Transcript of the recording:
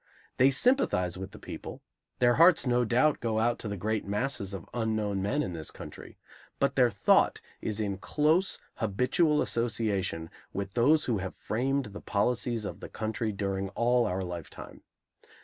They sympathize with the people; their hearts no doubt go out to the great masses of unknown men in this country; but their thought is in close, habitual association with those who have framed the policies of the country during all our lifetime.